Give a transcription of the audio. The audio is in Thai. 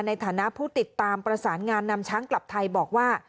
ในฐานะผู้ติดตามประสานงานนำช้างกลับไทยบอกว่า